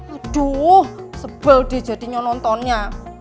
aduh sebel dia jadi nyonontonnya